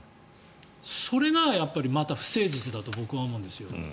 それがまた不誠実だと僕は思うんですよ。